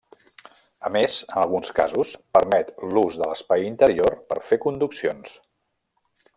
A més, en alguns casos permet l'ús de l'espai interior per fer conduccions.